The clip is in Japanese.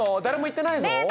誰も言ってないぞ。